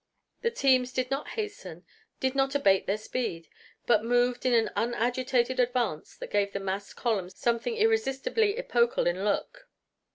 The teams did not hasten, did not abate their speed, but moved in an unagitated advance that gave the massed column something irresistibly epochal in look.